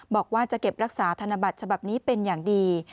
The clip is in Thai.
บอกว่าจะเก็บรักษาธนบัตรฉบับนี้เป็นอย่างดี